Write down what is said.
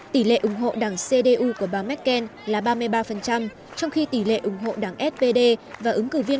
tỷ lệ ủng hộ đảng cdu của bà merkel là ba mươi ba trong khi tỷ lệ ủng hộ đảng spd và ứng cử viên